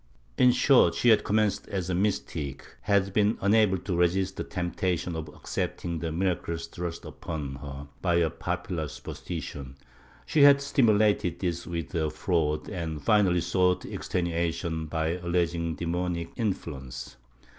In short, she had commenced as a mystic, had been Chap. V] IMPOSTORS 83 unable to resist the temptation of accepting the miracles thrust upon her by popular superstition, she had stimulated this with her frauds, and finally sought extenuation by alleging demonic influ ence.